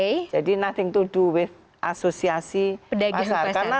itu tidak ada peran dari para pedagang di pasar